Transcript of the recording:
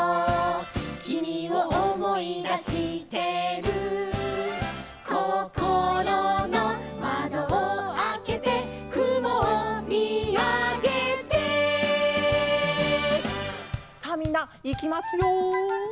「君を思い出してる」「こころの窓をあけて」「雲を見あげて」さあみんないきますよ。